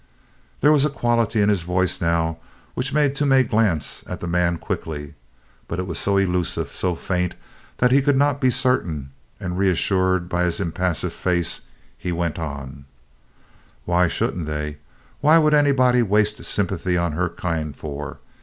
There was a quality in his voice now which made Toomey glance at the man quickly, but it was so elusive, so faint, that he could not be certain; and reassured by his impassive face he went on: "Why shouldn't they? What would anybody waste sympathy on her kind for?"